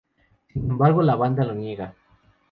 Sin embargo, la banda lo niega.